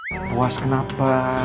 lo puas kenapa